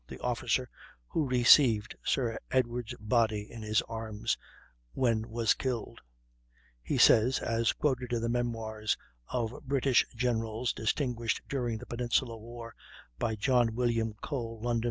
the officer who received Sir Edward's body in his arms when was killed; he says (as quoted in the "Memoirs of British Generals Distinguished During the Peninsular War," by John William Cole, London.